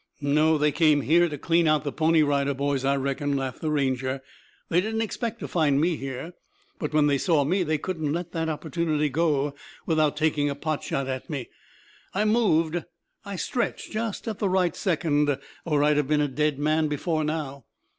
"No. They came here to clean out the Pony Rider Boys, I reckon," laughed the Ranger. "They didn't expect to find me here. But when they saw me they couldn't let the opportunity go without taking a pot shot at me. I moved I stretched just at the right second, or I'd have been a dead man before now."